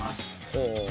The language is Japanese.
ほう。